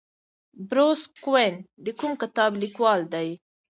بروس کوئن د کوم کتاب لیکوال دی؟